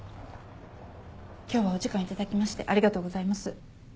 今日はお時間頂きましてありがとうございます。